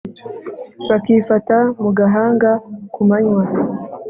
bakifata ku gahanga ku manywa